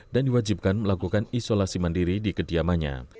dan diwajibkan melakukan isolasi mandiri di kediamannya